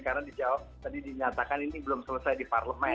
karena dijawab tadi dinyatakan ini belum selesai di parlement